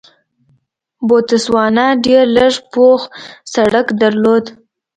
بوتسوانا ډېر لږ پوخ سړک درلود.